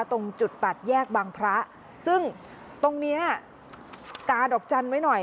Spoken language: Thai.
ตรงจุดตัดแยกบางพระซึ่งตรงเนี้ยกาดอกจันทร์ไว้หน่อย